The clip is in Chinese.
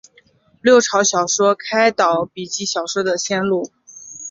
六朝小说开导笔记小说的先路。